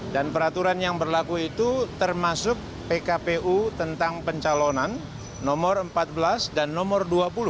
dan peraturan yang berlaku itu termasuk pkpu tentang pencalonan nomor empat belas dan nomor dua puluh